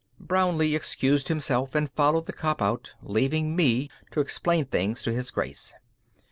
Brownlee excused himself and followed the cop out, leaving me to explain things to His Grace.